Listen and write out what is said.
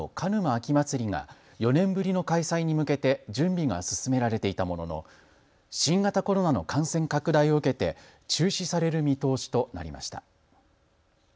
秋まつりが４年ぶりの開催に向けて準備が進められていたものの、新型コロナの感染拡大を受けて中止される見通しとなりました。